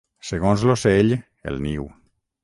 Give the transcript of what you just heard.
Segons l'ocell, el niu.